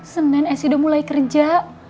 semuanya sudah mulai kerja